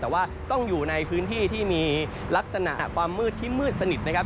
แต่ว่าต้องอยู่ในพื้นที่ที่มีลักษณะความมืดที่มืดสนิทนะครับ